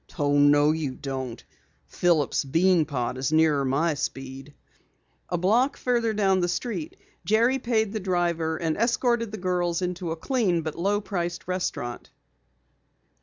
"Oh, no, you don't! Phillip's Bean Pot is nearer my speed." A block farther down the street Jerry paid the driver and escorted the girls into a clean but low priced restaurant.